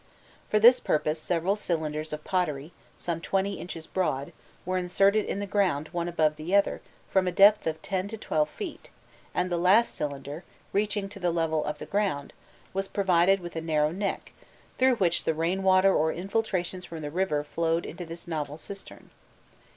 For this purpose several cylinders of pottery, some twenty inches broad, were inserted in the ground one above the other from a depth of from ten to twelve feet, and the last cylinder, reaching the level of the ground, was provided with a narrow neck, through which the rainwater or infiltrations from the river flowed into this novel cistern.